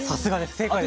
正解です。